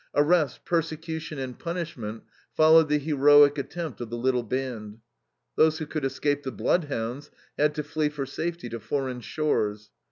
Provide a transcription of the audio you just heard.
Arrest, persecution, and punishment followed the heroic attempt of the little band. Those who could escape the bloodhounds had to flee for safety to foreign shores.